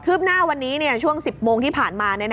หน้าวันนี้ช่วง๑๐โมงที่ผ่านมา